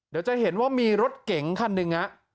เดี๋ยวจะเห็นว่ามีรถเก๋งคันหนึ่ง